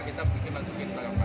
kita berikir rikir tanggal empat